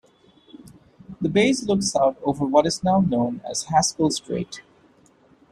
The base looks out over what is now known as Haskell Strait.